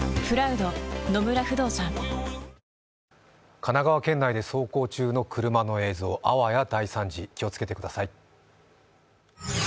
神奈川県内に走行中の車の映像、あわや大惨事、気をつけてください